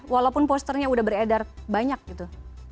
walaupun posternya udah beredar banyak gitu